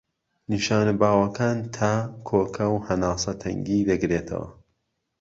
نیشانە باوەکان تا، کۆکە و هەناسە تەنگی دەگرێتەوە.